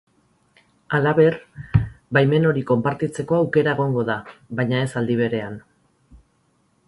Halaber, baimen hori konpartitzeko aukera egongo da, baina ez aldi berean.